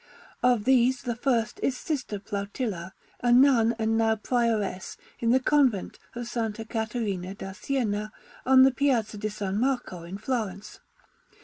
Of these the first is Sister Plautilla, a nun and now Prioress in the Convent of S. Caterina da Siena, on the Piazza di S. Marco in Florence.